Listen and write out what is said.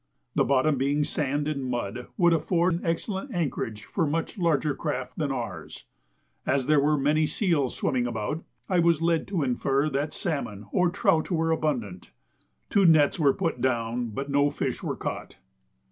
The bottom being sand and mud would afford excellent anchorage for much larger craft than ours. As there were many seals swimming about, I was led to infer that salmon or trout were abundant; two nets were put down, but no fish were caught.